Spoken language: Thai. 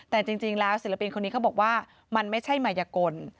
แต่จริงแล้วศิลปินคนนี้เขาบอกว่ามันไม่ใช่มายกล